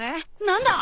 何だ！？